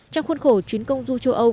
trong khuôn khổ chuyến công du châu âu